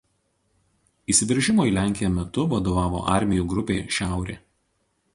Įsiveržimo į Lenkiją metu vadovavo "armijų grupei Šiaurė".